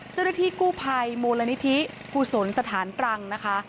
เจ้าหน้าที่กู้ภัยมูลนิธิกุศลสถานตรังนะคะ